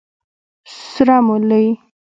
🫜 سره مولي